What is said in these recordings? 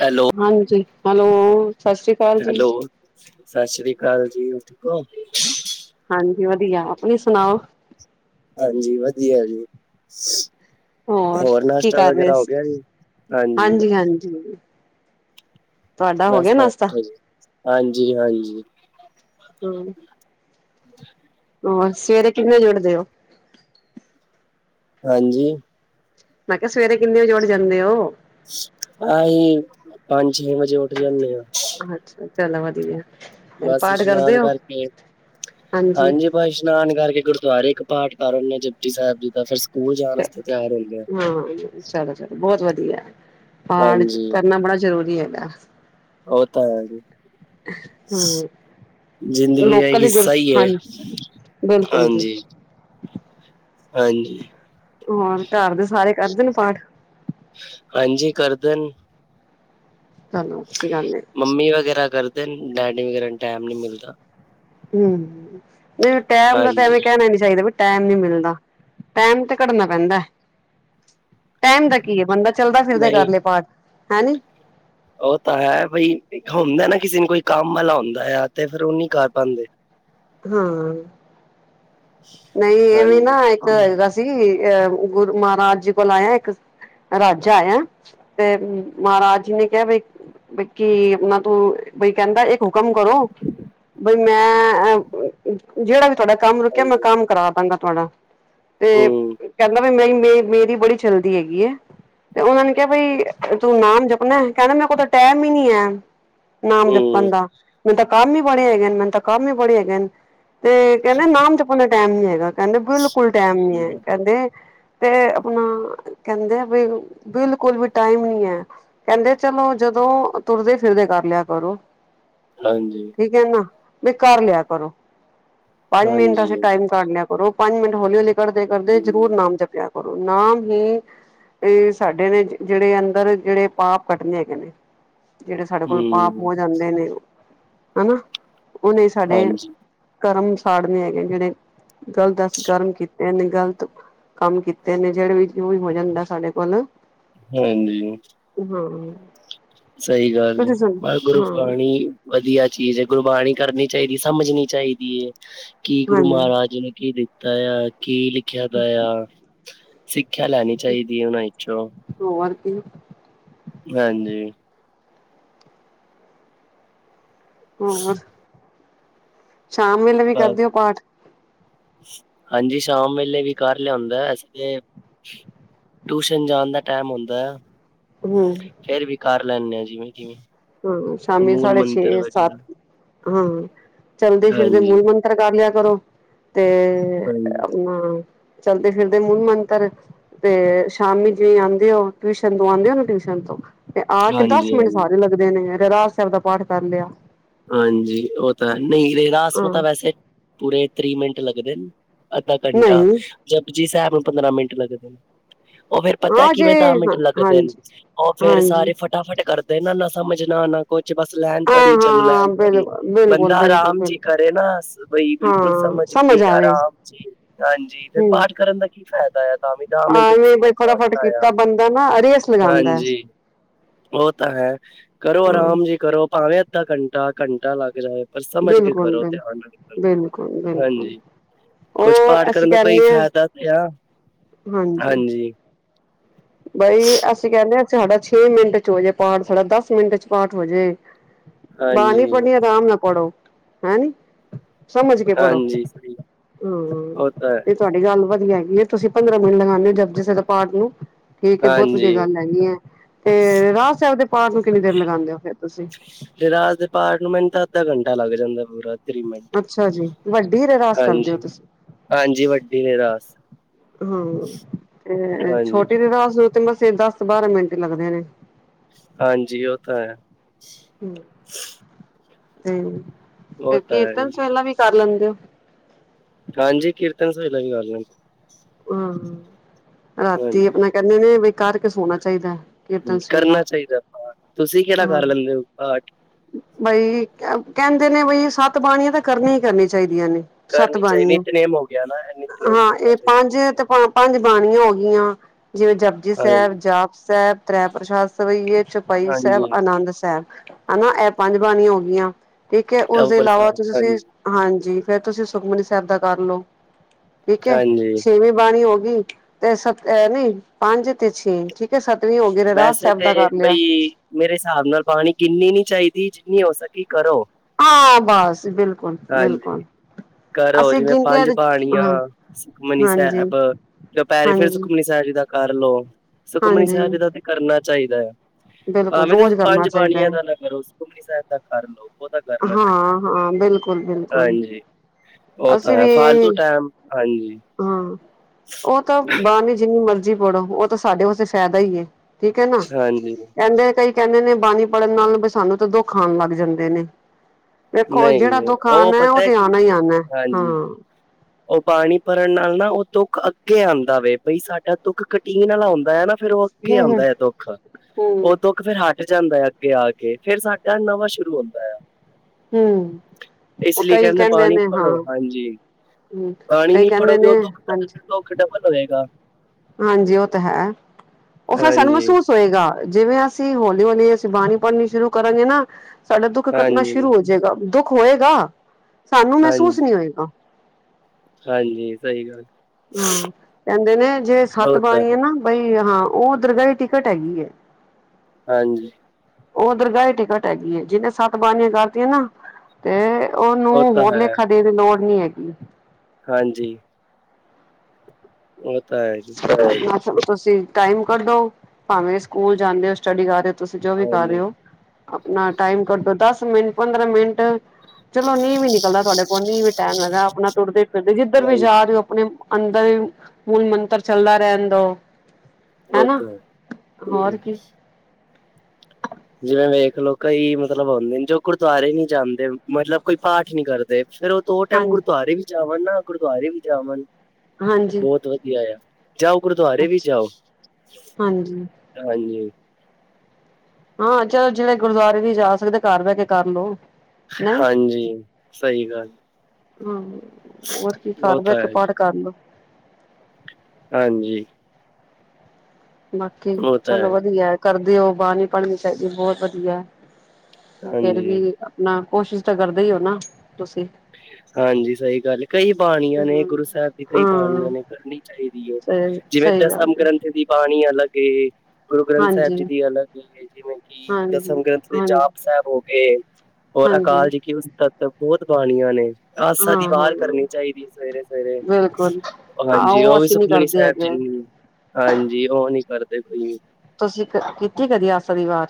Hello ਹਾਂਜੀ hello ਸਤਿ ਸ਼੍ਰੀ ਅਕਾਲ ਜੀ ਹੈਲੋ ਸਤਿ ਸ੍ਰੀ ਅਕਾਲ ਜੀ ਹੋ ਠੀਕ ਹੋ ਹਾਂਜੀ ਵਧੀਆ ਆਪਣੀ ਸੁਣਾਓ ਹਾਂਜੀ ਵਧੀਆ ਜੀ। ਹੋਰ ਕੀ ਨਾਸ਼ਤਾ ਕਰ ਰਹੇ ਵਗੈਰਾ ਹੋ ਸੀ ਗਿਆ ਜੀ ਹਾਂਜੀ। ਹਾਂਜੀ। ਤੁਹਾਡਾ ਹੋ ਬਸ ਗਿਆ ਨਾਸ਼ਤਾ ਬੈਠੇ ਜ ਹਾਂਜੀ ਹਾਂਜੀ। ਹਮ। ਹ। ਹੋ ਸਵੇਰੇ ਕਿੰਨੇ ਜੁੜਦੇ ਹੋ। ਹਾਂਜੀ। ਮੈਂ ਕਿਹਾ ਸਵੇਰੇ ਕਿੰਨੇ ਵਜੇ ਉੜ ਜਾਂਦੇ ਹੋ। ਆਹੀ ਪੰਜ ਛੇ ਵਜੇ ਉੱਠ ਜਾ ਮ। ਅੱਛਾ ਚੱਲ ਵਧੀਆ ਫ ਬਸ ਪਾਠ ਕਰਦੇ ਇਸ਼ਨਾਨ ਹੋ ਹਾਂਜੀ। ਭਾਈ ਇਸ਼ਨਾਨ ਕਰਕੇ ਗੁਰਦੁਆਰੇ ਇੱਕ ਪਾਠ ਕਰੇ ਜਪਜੀ ਸਾਹਿਬ ਜੀ ਦਾ ਫਿਰ ਸਕੂਲ ਜਾਣ ਵਾਸਤੇ ਤਿਆਰ ਹੁੰਦੇ ਆ ਹਾਂ ਚਲੋ ਚਲੋ ਬਹੁਤ ਵਧੀਆ। ਪੜ ਹਾਂਜੀ ਕਰਨਾ ਬੜਾ ਜ਼ਰੂਰੀ ਹੈਗਾ। ਓ ਤਾਂ ਹੈ। ਹਮ ਜ਼ਿੰਦਗੀ ਇੱਕ ਲੋਕਲ ਗੁਰ ਹਿੱਸਾ ਹੀ ਹੈ। ਹਾਂਜੀ ਬਿਲਕੁਲ ਜੀ। ਹਾਂਜੀ ਹਾਂਜੀ। ਹੋਰ ਘਰ ਦੇ ਸਾਰੇ ਕਰਦੇ ਨੇ ਪਾਠ। ਹਾਂਜੀ ਕਰਦਣ। ਧੰਨਵਾਦ ਜੀ ਗਨੇ। ਮੰਮੀ ਵਗੈਰਾ ਕਰਦੇ ਨੇ ਡੈਡੀ ਵਗੈਰਾ ਨੂੰ ਟੈਮ ਨੀ ਮਿਲਦਾ। ਹਮ ਨਹੀਂ ਟੈਮ ਦਾ ਤਾਂ ਹਾਂਜੀ, ਐਵੇਂ ਕਹਿਣਾ ਨੀ ਚਾਹੀਦਾ। ਟੈਮ ਨੀ ਮਿਲਦਾ ਟੈਮ ਤੇ ਘਟਨਾ ਪੈਂਦਾ। ਟਾਈਮ ਦਾ ਕੀ ਹੈ ਬੰਦਾ ਚਲਦਾ ਫਿਰਦੇ ਨਹੀਂ ਕਰ ਲਏ ਪਾਠ ਹੈਨੀ। ਉਹ ਤਾਂ ਹੈ ਬਈ ਹੁੰਦਾ ਨਾ ਕਿਸੇ ਨੂੰ ਕੋਈ ਕੰਮ ਵਾਲਾ ਹੁੰਦਾ ਆ ਤੇ ਫੇਿਰ ਉਹ ਨੀ ਕਰ ਪਾਉਂਦੇ। ਹ। ਹਮ। ਨਹੀਂ ਇਹਵੇਂ ਹਾਂਜੀ, ਨਾ ਇੱਕ ਹਾਂਜੀ, ਹੈਗਾ ਸੀ ਅਹ ਗੁਰੂ ਮਹਾਰਾਜ ਜੀ ਕੋਲ ਆਇਆ ਇੱਕ। ਰਾਜਾ ਆ ਤੇ ਮਹਾਰਾਜ ਜੀ ਨੇ ਕਿਹਾ ਵੀ ਬਕੀ ਆਪਨਾ ਤੂੰ ਬਈ ਕਹਿੰਦਾ ਇੱਕ ਹੁਕਮ ਕਰੋ। ਬਈ ਮੈਂ ਜਿਹੜਾ ਵੀ ਤੁਹਾਡਾ ਕੰਮ ਰੁਕਿਆ ਮੈਂ ਕੰਮ ਕਰਾ ਦਾਂਗਾ ਤੁਹਾਡਾ ਤੇ ਹੂੰ, ਕਹਦਾ। ਮੇਰੀ ਮੇ ਮੇਰੀ ਬੜੀ ਚਲਦੀ ਹੈਗੀ ਹੈ। ਤੇ ਉਹਨਾਂ ਨੇ ਕਿਹਾ ਬਈ ਤੂੰ ਨਾਮ ਜਪਣਾ ਕਹਿੰਦਾ ਮੇਰੇ ਕੋਲ ਤਾਂ ਟੈਮ ਹੀ ਨੀ ਹੈ। ਨਾਮ ਹੂੰ, ਜਪਣ ਦਾ ਮੈਨ ਤਾਂ ਕੰਮ ਹੀ ਬੜੇ ਹੈਗੇ ਨੇ ਮੈਨੂੰ ਤਾਂ ਕੰਮ ਹੀ ਬੜੇ ਹੈਗੇ ਨੇ। ਤੇ ਕਹਿੰਦੇ ਨਾਮ ਜਪਣ ਦਾ ਟਾਈਮ ਨੀ ਹੈਗਾ ਕਹਿੰਦੇ ਬਿਲਕੁਲ ਟਾਈਮ ਨੀ ਹੈ ਹੂੰ, ਕਹਿੰਦੇ। ਤੇ ਆਪਣਾ ਕਹਿੰਦੇ ਵੀ ਬਿਲਕੁਲ ਵੀ ਟਾਈਮ ਨੀ ਹੈ। ਕਹਿੰਦੇ ਚਲੋ ਜਦੋਂ ਤੁਰਦੇ ਫਿਰਦੇ ਕਰ ਲਿਆ ਕਰੋ। ਹਾਂਜੀ। ਠੀਕ ਹੈ ਨਾ ਵੀ ਕਰ ਲਿਆ ਕਰੋ ਪੰਜ ਮਿੰਟ ਹਾਂਜੀ, ਵਾਸਤੇ। ਕਢ ਲਿਆ ਕਰੋ ਪੰਜ ਮਿੰਟ ਹੌਲੀ ਹੌਲੀ ਕਰਦੇ ਕਰਦੇ ਜ਼ਰੂਰ ਹੂੰ, ਨਾਮ ਜਪਿਆ ਕਰੋ ਨਾਮ ਹੀ। ਇਹ ਸਾਡੇ ਨੇ ਜਿਹੜੇ ਅੰਦਰ ਜਿਹੜੇ ਪਾਪ ਕੱਟਣੇ ਹੈਗੇ ਨੇ। ਜਿਹੜੇ ਸਾਡੇ ਕੋਲ ਪਾਪ ਹੂੰ, ਹੋ ਜਾਂਦੇ ਨੇ ਹਨਾ ਉਹਨੇ ਸਾਡੇ ਹਾਂਜੀ, ਕਰਮ ਸਾੜਨੇ ਹੈਗੇ ਜਿਹੜੇ ਗੱਲ ਦੱਸ ਗਰਮ ਕੀਤੇ ਨੀ ਗ਼ਲਤ। ਕੰਮ ਕੀਤੇ ਨੇ ਜਿਹੜੇ ਵੀ ਜੋ ਵੀ ਹੋ ਜਾਂਦਾ ਸਾਡੇ ਕੋਲ। ਹਾਂਜੀ। ਹਾਂ। ਸਹੀ ਗੱਲ ਹੈ ਤੁਸੀਂ ਸੁਣ ਬਸ ਹਾਂ ਗੁਰਬਣੀ। ਵਧੀਆ ਚੀਜ਼ ਹੈ ਗੁਰਬਾਣੀ ਕਰਨੀ ਚਾਹੀਦੀ ਸਮਝਣੀ ਚਾਹੀਦੀ ਹੈ। ਕੀ ਗੁਰੂ ਹਾਂਜੀ ਮਹਾਰਾਜ ਜੀ ਨੇ ਕੀ ਦਿੱਤਾ ਆ ਕੀ ਲਿਖਿਆ ਦਾ ਆ ਸਿੱਖਿਆ ਲੈਣੀ ਚਾਹੀਦੀ ਹੈ ਉਹਨਾਂ ਵਿੱਚੋਂ ਹੋਰ ਕੀ ਹਾਂਜੀ ਹੋਰ ਸ਼ਾਮ ਵੇਲੇ ਵੀ ਬਸ ਕਰਦੇ ਹੋ ਪਾਠ ਹਾਂਜੀ ਸ਼ਾਮ ਵੇਲੇ ਵੀ ਘਰ ਲਿਆਉਂਦਾ ਅਸੀਂ ਤੇ ਟਿਊਸ਼ਨ ਜਾਣ ਦਾ ਟਾਈਮ ਹੁੰਦਾ ਹੂੰ ਫਿਰ ਵੀ ਕਰ ਲੈਂਦੇ ਆ ਜਿਵੇਂ ਕਿਵੇਂ ਹਾਂ ਸ਼ਾਮੀ ਮੂਲ ਸਾਡੇ ਮੰਤਰ ਛੇ ਸੱਤ ਵਗੈਰਾ ਹਾਂ ਚੱਲਦੇ ਫਿਰਦੇ ਹਾਂਜੀ ਮੂਲ ਮੰਤਰ ਕਰ ਲਿਆ ਕਰੋ ਤੇ ਹਾਂਜੀ ਆਪਣਾ ਚਲਦੇ ਫਿਰਦੇ ਮਨ ਮੰਤਰ ਤੇ ਸ਼ਾਮੀ ਜਿਵੇਂ ਆਉਂਦੇ ਹੋ ਟਿਊਸ਼ਨ ਤੋਂ ਆਉਂਦੇ ਹੋ ਨਾ ਟਿਊਸ਼ਨ ਤੋਂ ਤੇ ਆਹ ਕਿ ਦਸ ਹਾਂਜੀ ਮਿੰਟ ਹਾਂਜੀ ਸਾਰੇ ਲੱਗਦੇ ਨੇ ਰਾਜ ਸਾਹਿਬ ਦਾ ਪਾਠ ਕਰ ਲਿਆ ਹਾਂਜੀ ਉਹ ਤਾਂ ਨਹੀਂ ਰਾਸਮ ਹਾਂ ਤਾਂ ਵੈਸੇ ਪੂਰੇ ਤੀਹ ਮਿੰਟ ਲੱਗਦੇ ਨੇ ਅੱਧਾ ਘੰਟਾ ਨਹੀਂ ਜਪਜੀ ਸਾਹਿਬ ਨੂੰ ਪੰਦਰਾਂ ਮਿੰਟ ਲੱਗਦੇ ਨੇ ਉਹ ਫਿਰ ਪਤਾ ਹਾਂ ਜੇ ਕਿਵੇਂ ਦੱਸ ਹਾਂ ਮਿੰਟ ਲੱਗਦੇ ਨੇ ਹਾਂਜੀ ਉਹ ਫਿਰ ਹਾਂਜੀ ਸਾਰੇ ਫੱਟ ਫਟਾਫਟ ਕਰਦੇ ਇਹਨਾ ਨਾ ਸਮਝ ਨਾ ਨਾ ਕੁਛ ਬਸ ਲੈਣ ਹਾਂ ਪੜ੍ਹੀ ਚਲੋ ਹਾਂ ਲੈਣ ਪੜ੍ਹੀ ਬਿਲਕੁਲ ਬਿਲਕੁਲ ਬੰਦਾ ਬਿਲਕੁਲ ਆਰਾਮ ਚ ਬਿਲਕੁਲ ਕਰੇ ਨਾ ਹੱਸ ਪਈ ਬਿਲਕੁਲ ਹਾਂ ਸਮਝ ਕੇ ਆਵੇ ਆਰਾਮ ਜੀ ਹਾਂਜੀ ਫਿਰ ਹਮ ਪਾਠ ਕਰਨ ਦਾ ਕੀ ਫ਼ਾਇਦਾ ਆ ਤਾਂ ਵੀ ਦੱਸ ਮਿੰਟੇ ਆਵੇਂ ਬਈ ਫਟਾਫਟ ਕੀਤਾ ਬੰਦਾ [unintelligible] ਨਾ ਰੇਸ ਲਗਾਉਂਦਾ ਹੈ ਹਾਂਜੀ ਉਹ ਤਾਂ ਹੈ ਕਰੋ ਹਾਂ ਆਰਾਮ ਜੀ ਕਰੋ ਭਾਵੇਂ ਅੱਧਾ ਘੰਟਾ ਘੰਟਾ ਲੱਗ ਜਾਏ ਪਰ ਸਮਝ ਕੇ ਬਿਲਕੁਲ ਕਰੋ ਬਿਲ ਧਿਆਨ ਨਾਲ ਬਿਲਕੁਲ ਬਿਲਕੁਲ ਹਾਂਜੀ ਕੁਛ ਪਾਠ ਉਹ ਅਸੀਂ ਕਰਨ ਦਾ ਕੋਈ ਕਹਿੰਦੇ ਹਾਂ ਫਾਇਦਾ ਤੇ ਆ ਹਾਂਜੀ ਬਈ ਅਸੀਂ ਕਹਿੰਦੇ ਸਾਡਾ ਛੇ ਮਿੰਟ ਚ ਹੋ ਜੇ ਪਾਠ ਸਾਡਾ ਦਸ ਮਿੰਟ ਚ ਪਾਠ ਹੋ ਜੇ [inaudible] ਬਾਣੀ ਪੜਨੀ ਆਮ ਨਾਲ ਪੜੋ ਹੈ ਨੀ ਸਮਝ ਕੇ ਪੜੋ ਹਾਂਜੀ ਉਹ ਤਾਂ ਹੈ ਹਾਂ ਤੁਹਾਡੀ ਗੱਲ ਵਧੀਆ ਹੈਗੀ ਹੈ ਤੁਸੀਂ ਪੰਦਰਾਂ ਮਿੰਟ ਲਗਾਉਦੇ ਹੋ ਜਪੁਜੀ ਸਾਹਿਬ ਦੇ ਪਾਠ ਨੂੰ ਠੀਕ ਬਹੁਤ ਵਧੀਆ ਹਾਂਜੀ, ਗੱਲ ਹੈਗੀ ਹੈ ਤੇ ਰਾਏ ਸਾਹਿਬ ਦੇ ਪਾਠ ਨੂੰ ਕਿੰਨੀ ਦੇਰ ਲਗਾਉਂਦੇ ਹੋ ਫਿਰ ਤੁਸੀਂ ਤੇ ਰਾਜ ਦੇ ਪਾਰਟ ਨੂੰ ਮੈਂਨੂੰ ਤਾਂ ਅੱਧਾ ਘੰਟਾ ਲੱਗ ਜਾਂਦਾ ਪੂਰਾ। [unintelligible] ਮਿੰਟ ਅੱਛਾ ਜੀ ਵੱਡੀ ਰਹਿਰਾਸ ਕਰਦੇ ਹੋ ਹਾਂਜੀ, ਤੁਸੀਂ ਹਾਂਜੀ ਵੱਡੀ ਏ ਰਾਸ। ਹਂ ਤੇ ਹਾਂਜੀ, ਛੋਟੀ ਤੇ ਰਾਸ ਮਸੇ ਦਸ ਬਾਰਾਂ ਮਿੰਟ ਲੱਗਦੇ ਨੇ। ਹਾਂਜੀ ਉਹ ਤਾਂ ਹੈ। ਹਂ, [unintelligible] ਉਹ ਤਾਂ ਹੈ ਕੀਰਤਨ ਜੀ, ਸ ਵੇਲਾਂ ਵੀ ਕਰ ਲੈਂਦੇ ਔ। ਹਾਂਜੀ ਕੀਰਤਨ ਸਹੇਲਾ ਵੀ [unintelligible] ਹਾਂ, ਰਾਤੀ ਹਾਂਜੀ ਆਪਣਾ ਕਹਿੰਦੇ ਨੇ ਬਈ ਕਰ ਕੇ ਸੋਣਾ ਚਾਈਦਾ। ਕਰਨਾ ਚਾਈਦਾ ਪਾਠ, ਤੁਸੀਂ ਕਿਹੜਾ ਹਾਂ। ਕਰ ਲੈਂਦੇ ਹੋ ਪਾਠ। ਬਈ ਕਹਿੰਦੇ ਨੇ ਬਈ ਸੱਤ ਬਾਣੀਆਂ ਤਾਂ ਕਰਨੀਆਂ ਈ ਕਰਨੀਆਂ ਚਾਈਦੀਆਂ ਨੇ। ਸੱਤ ਕਰਨੀ ਚਾਹੀਦੀ ਬਾਣੀਆ ਨਿਤਨੇਮ ਹੋ ਗਿਆ ਨਾ ਨਿਤਨੇਮ ਹਾਂ ਕਰਨਾ ਇਹ ਚਾਹੀਦਾ। ਪੰਜ ਤੇ ਪੰ ਪੰਜ ਬਾਣੀਆਂ ਹੋ ਗਈਆਂ ਜਿਵੇਂ ਜਪਜੀ ਸਾਹਿਬ, ਹਾਂਜੀ, ਜਾਪ ਸਾਹਿਬ ਤ੍ਰੈ ਪ੍ਰਸ਼ਾਦ [unintelligible] ਭਾਈ ਸਾਹਿਬ, ਹਾਂਜੀ ਆਨੰਦ ਸਾਹਿਬ ਹਨਾ ਇਹ ਪੰਜ ਬਾਣੀਆਂ ਹੋ ਗਈਆਂ। ਠੀਕ ਐ, ਤਵ ਉਸਦੇ ਇਲਾਵਾ ਪ੍ਰਸਾਦ ਤੁਸੀਂ ਹਾਂਜੀ, ਹਾਂਜੀ ਫੇਰ ਤੁਸੀਂ ਸੁਖਮਨੀ ਸਾਹਿਬ ਦਾ ਕਰ ਲਓ। ਠੀਕ ਐ, ਹਾਂਜੀ ਛੇਵੀਂ ਬਾਣੀ ਹੋ ਗਈ ਤੇ ਸਤ ਅ ਨਈ ਪੰਜ ਤੇ ਛੇ ਠੀਕ। ਸਤਵੀ ਹੋ ਗੀ ਰੇ ਰਾਜ ਵੈਸੇ ਸਾਹਿਬ ਦਾ ਤੇ ਕਰ ਲਿਆ। ਬਈ ਮੇਰੇ ਸਾਬ ਨਾਲ ਪਾਣੀ ਗਿਨਨੀ ਨੀ ਚਾਈਦੀ ਜਿੰਨੀ ਹੋ ਸਕੇ ਕਰੋ। ਹਾਂ, ਬਸ ਬਿਲਕੁਲ ਹਾਂਜੀ। ਬਿਲਕੁਲ। ਕਰੋ, ਅਸੀਂ ਜਿਵੇਂ ਗਿਣ ਕੇ ਪੰਜ ਬਾਣੀਆਂ ਹਾਂ ਸੁਖਮਨੀ ਹਾਂਜੀ ਸਾਹਿਬ। ਦੁਪਹਿਰੇ ਫਿਰ ਹਾਂਜੀ ਸੁਖਮਨੀ ਸਾਹਿਬ ਜੀ ਦਾ ਕਰ ਲਉ, ਸੁਖਮਨੀ ਸਾਹਿਬ ਹਾਂਜੀ ਜੀ ਦਾ ਤੇ ਕਰਨਾ ਚਾਈਦਾ ਐ। ਬਿਲਕੁਲ ਭਾਵੇਂ ਰੋਜ਼ ਤੁਸੀਂ ਕਰਨਾ ਪੰਜ ਚਾਹੀਦਾ ਬਾਣੀਆਂ ਹੈ ਦਾ ਨਾ ਕਰੋ, ਸੁਖਮਨੀ ਸਾਹਿਬ ਦਾ ਕਰ ਲਓ ਉਹ ਤਾ ਹਾਂ, ਹਾਂ ਬਿਲਕੁਲ, ਬਿਲਕੁਲ। ਹਾਂਜੀ ਉਹ ਤਾਂ ਅਸੀਂ ਹੈ ਵੀ ਫਾਲਤੂ ਇਹ ਟਾਈਮ, ਹਾਂਜੀ। ਹਾਂ ਉਹ ਤਾਂ ਬਾਣੀ ਜਿੰਨੀ ਮਰਜ਼ੀ ਪੜੋ ਉਹ ਤਾਂ ਸਾਡੇ ਵਾਸਤੇ ਫਾਇਦਾ ਈ ਏ। ਠੀਕ ਐ ਨਾ ਹਾਂਜੀ ਕਹਿੰਦੇ ਕਈ ਕਹਿੰਦੇ ਨੇ ਬਾਣੀ ਪੜ੍ਹਨ ਨਾਲ ਵੀ ਸਾਨੂੰ ਤਾਂ ਦੁੱਖ ਆਣ ਲੱਗ ਜਾਂਦੇ ਨੇ। ਵੇਖੋ ਨਹੀਂ ਜਿਹੜਾ ਨਹੀਂ ਦੁੱਖ ਆਣਾ ਉਹ ਪਤਾ ਤੇ ਕੀ ਆਣਾ ਆਣਾ। ਹਾਂ। ਹਾਂਜੀ। ਉਹ ਬਾਣੀ ਪੜਨ ਨਾਲ ਨਾ ਉਹ ਦੁੱਖ ਅੱਗੇ ਆਂਦਾ ਵੇ ਬਈ ਸਾਡਾ ਦੁੱਖ ਕਟੀਨ ਵਾਲਾ ਹਉਂਦਾ ਐ ਨਾ। ਫੇਰ ਉਹ ਅੱਗੇ ਹੂੰ ਆਂਦਾ ਐ ਦੁੱਖ, ਹੂੰ ਉਹ ਦੁੱਖ ਫੇਰ ਹਟ ਜਾਂਦਾ ਆ ਅੱਗੇ ਆ ਕੇ, ਫੇਰ ਸਾਡਾ ਨਵਾਂ ਸ਼ੁਰੂ ਹੁੰਦਾ। ਹਂ ਇਸ ਲਈ ਕਹਿੰਦੇ ਬਾਣੀ ਪੜੋ ਹਾਂਜੀ ਹੂੰ ਬਾਣੀ ਕਈ ਨੀ ਕਹਿੰਦੇ ਪੜੋਗੇ ਨੇ ਉਹ ਦੁਖ ਹਾਂਜੀ ਫਿਰ [unintelligible] ਡਬਲ ਹੋਜੇਗਾ। ਹਾਂਜੀ ਉਹ ਤਾਂ ਹੈ, ਉਹ ਫਿਰ ਸਾਨੂੰ ਹਾਂਜੀ ਮਹਿਸੂਸ ਹੋਏਗਾ ਜਿਵੇਂ ਅਸੀਂ ਹੌਲੀ-ਹੌਲੀ ਅਸੀਂ ਬਾਣੀ ਪੜ੍ਹਨੀ ਸ਼ੁਰੂ ਕਰਾਂਗੇ ਨਾ ਸਾਡਾ ਦੁੱਖ ਕੱਟਣਾ ਹਾਂਜੀ ਸ਼ੁਰੂ ਹੋ ਜਾਏਗਾ। ਦੁੱਖ ਹੋਏਗਾ ਸਾਨੂੰ ਮਹਿਸੂਸ ਹਾਂਜੀ ਨ੍ਹੀਂ ਹੋਏਗਾ। ਹਾਂਜੀ ਸਹੀ ਗੱਲ। ਹਾਂ ਕਹਿੰਦੇ ਨੇ ਜੇ ਸੱਤ ਉਹ ਤਾਂ ਬਾਣੀ ਐ ਹੈ ਨਾ ਬਈ ਹਾਂ ਉਹ ਓ ਦਰਗਾਹ ਦੀ ਟਿਕਟ ਹੈਗੀ ਏ। ਹਾਂਜੀ। ਉਹ ਦਰਗਾਹ ਦੀ ਟਿਕਟ ਹੈਗੀ ਐ ਜਿਹਨੇ ਸੱਤ ਬਾਣੀਆਂ ਕਰਤੀਆਂ ਨਾ ਤੇ ਤੇ ਉਹਨੂੰ ਉਹ ਤਾਂ ਹੋਰ ਹੈ ਲੇਖਾ ਦੇਣ ਦੀ ਲੋੜ ਨੀ ਹੈਗੀ। ਹਾਂਜੀ। ਅ [unintelligible] ਅਛਾ ਤੁਸੀਂ ਟਾਈਮ ਕੱਢੋ, ਭਾਵੇਂ ਸਕੂਲ ਜਾਂਦੇ ਹੋ ਸਟੱਡੀ ਕਰ ਰਹੇ ਹੋ ਤੁਸੀਂ ਜੋ ਵੀ ਕਰ ਰਹੇ ਹਾਂਜੀ ਹੋ। ਆਪਣਾ ਟਾਈਮ ਕੱਢੋ ਦਸ ਮਿੰਟ, ਪੰਦਰਾਂ ਮਿੰਟ ਚਲੋ ਨੀਂਹ ਵੀ ਨਿਕਲਦਾ ਤੁਹਾਡੇ ਕੋਲ, ਨੀਹ ਵੀ ਟਾਈਮ ਹੇਗਾ ਆਪਣਾ ਤੁਰਦੇ ਫਿਰਦੇ ਜਿੱਧਰ ਵੀ ਹਾਂਜੀ ਜਾ ਰਹੇ ਹੋ ਆਪਣੇ ਅੰਦਰ ਮੂਲ ਮੰਤਰ ਚੱਲਦਾ ਰਹਿਣ ਦੋ, ਉਹ ਹਨਾ ਤਾਂ ਹੈ ਹੋਰ ਹਮ ਕੀ। ਜਿਵੇਂ ਵੇਖਲਓ ਕਈ ਮਤਲਬ ਹੁਉਂਦੇ ਨੇ ਜੋ ਗੁਰਦੁਆਰੇ ਨੀ ਜਾਂਦੇ ਮਤਲਬ ਕੋਈ ਪਾਠ ਨਹੀ ਕਰਦੇ ਫੇਰ ਉਹ ਦੋ ਟਾਈਮ ਹਾਂਜੀ ਗੁਰਦੁਆਰੇ ਵੀ ਜਾਵਣ ਨਾ, ਗੁਰਦੁਆਰੇ ਵੀ ਜਾਵਣ ਹਾਂਜੀ ਬਹੁਤ ਵਧੀਆ ਆ। ਜਾਓ ਗੁਰਦੁਆਰੇ ਵੀ ਜਾਓ, ਹਾਂਜੀ ਹਾਂਜੀ। ਹਾਂ, ਚਲੋ ਜਿਹੜੇ ਗੁਰਦੁਆਰੇ ਨੀ ਜਾ ਸਕਦੇ ਕਾਰ ਬਹਿ ਕੇ ਕਰ ਲਓ। ਹਾਂਜੀ, ਸਹੀ ਗੱਲ। ਹੁੰ, ਹੋਰ ਕੀ ਉਹ ਕਾਰ ਬੈਹ ਤਾਂ ਕੇ ਹੈ ਪਾਠ ਕਰ ਲੋ। ਹਾਂਜੀ। ਬਾਕੀ ਉਹ ਤਾਂ ਚਲੋ ਹੈ ਵਧੀਆ ਕਰਦੇ ਓ, ਬਾਣੀ ਪੜਨੀ ਚਾਹੀਦੀ ਬਹੁਤ ਵਧੀਆ। ਫੇਰ ਹਾਂਜੀ ਵੀ ਆਪਣਾ ਕੋਸ਼ਿਸ਼ ਤਾਂ ਕਰਦੇ ਹੀ ਹੋ ਨਾ ਤੁਸੀਂ। ਹਾਂਜੀ, ਸਹੀ ਗੱਲ ਕਈ ਬਾਣੀਆਂ ਨੇ ਹੂੰ। ਗੁਰੂ ਸਾਹਿਬ ਦੀ ਕਈ ਹਾਂ, ਬਾਣੀਆਂ ਨੇ ਕਰਨੀ ਚਾਹੀਦੀ ਐ, ਸਹੀ ਜਿਵੇਂ ਸਹੀ ਗੱਲ ਦਸਮ ਏ ਗ੍ਰੰਥ ਦੀ ਬਾਣੀ ਅਲੱਗ ਏ ਗੁਰੂ ਗ੍ਰੰਥ ਸਾਹਿਬ ਹਾਂਜੀ। ਜੀ ਦੀ ਅਲੱਗ ਹੀ ਐ, ਜਿਵੇਂ ਕਿ ਹਾਂਜੀ, ਦਸਮ ਗ੍ਰੰਥ ਦੇ ਹਾਂਜੀ, ਜਾਪ ਸਾਹਿਬ ਹੋ ਗਏ ਔਰ ਹਾਂਜੀ, ਅਕਾਲ ਜੀ ਕੀ ਉਸਤਤ ਬਹੁਤ ਬਾਣੀਆਂ ਨੇ। ਆਸਾ ਦੀ ਹਾਂ-ਹਾਂ ਵਾਰ ਕਰਨੀ ਚਾਹੀਦੀ ਸਵੇਰੇ-ਸਵੇਰੇ, ਬਿਲਕੁਲ। ਹਾਂ, ਹਾਂਜੀ, ਉਹ ਵੀ ਅਸੀਂ ਨੀ ਸੁਖਮਨੀ ਕਰਦੇ ਹੈਗੇ ਸਾਹਿਬ ਹਾਂਜੀ, ਉਹ ਨੀ ਕਰਦੇ ਕੋਈ ਵੀ। ਤੁਸੀਂ ਕਦ ਕੀਤੀ ਕਦੀ ਆਸ ਦੀ ਵਾਰ।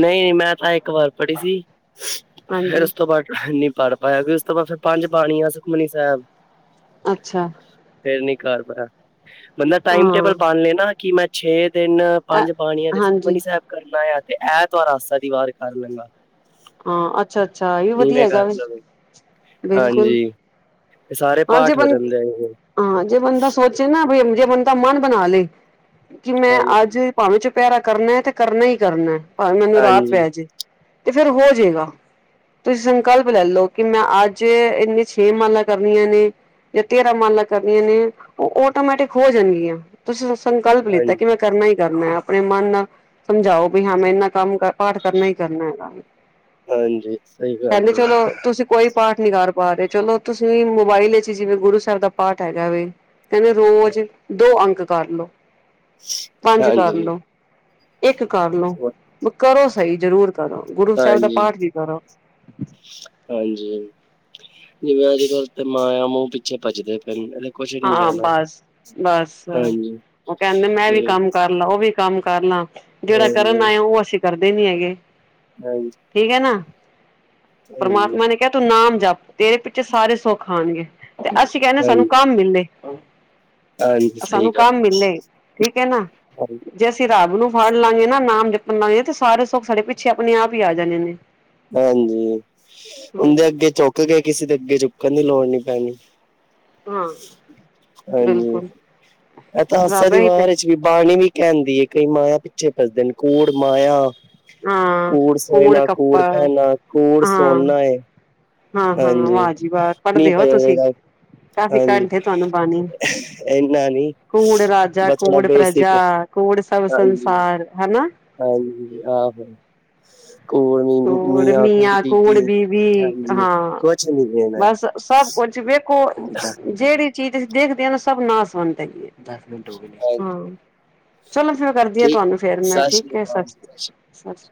ਨਹੀਂ, ਮੈਂ ਤਾਂ ਇੱਕ ਵਾਰ ਪੜ੍ਹੀ ਸੀ ਫੇਰ ਹਾਂਜੀ। ਉਸ ਤੋਂ ਬਾਦ ਨੀ ਪੜ ਪਾਇਆ ਵੀ ਉਸ ਤੋਂ ਬਾਅਦ ਫਿਰ ਪੰਜ ਬਾਣੀਆ ਸੁਖਮਨੀ ਸਾਹਿਬ। ਅੱਛਾ। ਫੇਰ ਨੀ ਕਰ ਪਾਯਾ, ਬੰਦਾ ਟਾਈਮ ਟੇਬਲ ਹਾਂ, ਬਣ ਲੈਣਾ ਕਿ ਮੈਂ ਛੇ ਦਿਨ ਪੰਜ ਪਾਣੀਆਂ ਤੇ ਹਾਂਜੀ, ਸੁਖਮਨੀ ਸਾਹਿਬ ਕਰਨਾ ਆ ਤੇ ਐਤਵਾਰ ਆਸਾ ਦੀ ਵਾਰ ਕਰ ਲੈਣਾ। ਹਾਂ, ਅੱਛਾ-ਅੱਛਾ, ਇਹ ਵਧੀਆ ਹੈਗਾ ਕਰ ਵੇ ਲਵੇ ਬਿਲਕੁਲ। ਹਾਂਜੀ ਇਹ ਸਾਰੇ ਹਾਂ ਜੇ ਪਾਠ ਹੋ ਬੰ ਜਾਂਦੇ ਆ ਇਹ ਹਾਂ ਜੇ ਬੰਦਾ ਸੋਚ ਨਾ ਵੀ ਜੇ ਬੰਦਾ ਮਨ ਬਣਾ ਲੇ ਕਿ ਮੈਂ ਹਾਂਜੀ ਅੱਜ ਭਾਵੇਂ ਚੁ ਪਿਆਰਾ ਕਰਨਾ ਐ ਤੇ ਕਰਨਾ ਹੀ ਕਰਨਾ ਐ ਭਾਵੇਂ ਮੈਨੂੰ ਰਾਤ ਹਾਂਜੀ ਪੈ ਜੇ ਤੇ ਫੇਰ ਹੋ ਜੇਗਾ। ਤੁਸੀਂ ਸੰਕਲਪ ਲੈ ਲਓ ਕਿ ਮੈਂ ਅੱਜ ਇੰਨੇ ਛੇ ਮਾਲਾਂ ਕਰ ਕਰਨੀਆਂ ਨੇ ਜਾਂ ਤੇਰਹਾ ਮਾਲਾਂ ਕਰਨੀਆਂ ਨੇ ਉਹ ਆਟੋਮੈਟਿਕ ਹੋ ਜਾਣਗੀਆਂ। ਤੁਸੀਂ ਹੁਣ ਸੰਕਲਪ ਲਿੱਤਾ ਹਾਂਜੀ ਕਿ ਮੈਂ ਕਰਨਾ ਹੀ ਕਰਨਾ ਐ, ਆਪਣੇ ਮਨ ਨਾਲ ਸਮਝਾਓ ਵੀ ਹਾਂ ਮੈਂ ਇੰਨਾ ਕੰਮ ਪਾਠ ਕਰਨਾ ਹੀ ਕਰਨਾ ਹੈਗਾ। ਹਾਂਜੀ, ਸਹੀ ਗੱਲ ਕਹਿੰਦੇ ਐ। ਚਲੋ ਤੁਸੀਂ ਕੋਈ ਪਾਠ ਨੀ ਕਰ ਪਾ ਰਹੇ, ਚਲੋ ਤੁਸੀਂ ਮੋਬਾਇਲ ਜਿਵੇਂ ਗੁਰੂ ਸਾਹਿਬ ਦਾ ਪਾਠ ਹੈਗਾ ਵੇ। ਕਹਿੰਦੇ ਰੋਜ਼ ਦੋ ਅੰਕ ਕਰ ਲੋ। ਪੰਜ ਹਾਂਜੀ ਕਰਲੋ, ਇੱਕ ਕਰ ਲੋ ਵ- ਕਰੋ ਸਹੀ ਜ਼ਰੂਰ। ਕਰੋ ਗੁਰੂ ਸਾਹਿਬ ਦਾ ਹਾਂਜੀ ਪਾਠ ਵੀ ਕਰੋ। ਹਾਂਜੀ ਜਿਵੇਂ ਅੱਜ ਕੱਲ ਤੇ ਮਾਇਆ ਮੂੰਹ ਪਿੱਛੇ ਭਜਦੇ ਪਏ ਨੇ, ਇਹਦੇ ਕੁਛ ਨਹੀਂ ਹਾਂ, ਜਾਣਾ ਬਸ ਬਸ ਹਾਂਜੀ ਉਹ ਕਹਿੰਦੇ ਮੈਂ ਵੀ ਤੇ ਕੰਮ ਕਰ ਕਰ ਲਾ ਉਹ ਵੀ ਕੰਮ ਕਰ ਲਾ ਜਿਹੜਾ ਹਾਂਜੀ-ਹਾਂਜੀ, ਕਰਨ ਆਏ ਆਂ ਉਹ ਅਸੀਂ ਕਰਦੇ ਨੀ ਹੈਗੇ। ਹਾਂਜ ਠੀਕ ਐ ਨਾ, ਪਰਮਾਤਮਾ ਨੇ ਕਿਹਾ ਤੂੰ ਨਾਮ ਜਪ। ਤੇਰੇ ਪਿੱਛੇ ਸਾਰੇ ਸੁੱਖ ਆਣਗੇ ਤੇ ਅਸੀਂ ਕਹਿੰਦੇ ਸਾਨੂੰ ਹਾਂਜੀ ਕੰਮ ਮਿਲੇ। ਹਾਂਜੀ ਸਹੀ ਸਾਨੂੰ ਗੱਲ। ਕੰਮ ਮਿਲੇ, ਠੀਕ ਹੈ ਨਾ? ਹਾਂਜੀ, ਜੇ ਅਸੀਂ ਰੱਬ ਨੂੰ ਫੜ ਲਾਂਗੇ ਨਾ ਨਾਮ ਜਪਣ ਲਾਂਗੇ ਤੇ ਸਾਰੇ ਸੁੱਖ ਸਾਡੇ ਪਿੱਛੇ ਆਪਣੇ ਆਪ ਹੀ ਆ ਜਾਣੇ ਨੇ। ਹਾਂਜੀ, ਹਮ ਉਹਦੇ ਅੱਗੇ ਚੁੱਕ ਕੇ ਕਿਸੇ ਦੇ ਅੱਗੇ ਝੁੱਕਣ ਦੀ ਲੋੜ ਨੀ ਪੈਣੀ। ਹਾਂ। ਹਾਂਜੀ, ਬਿਲਕੁਲ ਇਹ ਤਾਂ ਆਸਾ ਰੱਬ ਦੀ ਹੀ ਤੇ ਵਾਰ ਵਿੱਚ ਵੀ ਬਾਣੀ ਵੀ ਕਹਿੰਦੀ ਹੈ। ਕਈ ਮਾਇਆ ਪਿੱਛੇ ਫਸਦੇ ਨੇ ਕੂੜ ਮਾਇਆ ਹਾਂ ਕੂੜ ਸਏਨਾ ਕੂੜ ਕੱਪੜ [inaudible] ਕੂੜ ਸੋਣ ਨਾ ਏ। ਹਾਂ-ਹਾਂ, ਹਾਂਜੀ ਵਾਹ ਜੀ ਵਾਹ, ਨੀ ਪੜ੍ਹਦੇ ਹੋ ਪੈਣਾ ਤੁਸੀਂ। ਚਾਹੀਦਾ। ਕਾਫੀ ਹਾਂਜੀ, ਕੰਠ ਤੁਹਾਨੂੰ ਬਾਣੀ, ਇੰਨਾ ਨੀ ਕੂੜ ਰਾਜਾ ਬਸ ਥੋੜਾ ਕੂੜ ਪ੍ਰਜਾ ਬੇਸਿਕ ਕੂੜ ਸਭ ਹਾਂਜੀ। ਸੰਸਾਰ, ਹਨਾ? ਹਾਂਜੀ, ਆਹੋ। ਕੂੜ ਮੀ ਕੂੜ ਮੀਆਂ, ਬੀਬੀ ਕੂੜ ਬੀਵੀ ਹਾਂਜੀ, ਹਾਂ ਕੁਛ ਨੀ ਦੇਣਾ ਬਸ ਸਭ ਕੁਛ ਵਖ [inaudible] ਜਿਹੜੀ ਚੀਜ਼ ਤੁਸੀਂ ਦੇਖਦੇ ਹ ਨਾ ਸਭ ਨਾ [inaudible] ਹੈ। ਦਸ ਮਿੰਟ ਹੋ ਗਏ ਨੇ ਹਾਂਜੀ। ਹਾਂ, ਚਲੋ ਫਿਰ ਕਰਦੀ ਆ ਠੀਕ ਤੁਹਾਨੂੰ ਫੇਰ ਮੈਂ ਸਤਿ ਸ਼੍ਰੀ ਠੀਕ ਹੈ ਅਕਾਲ ਸਤ ਜੀ ਸਤਿ ਸ੍ਰੀ ਸ਼੍ਰੀ ਅਕਾਲ। ਸਸ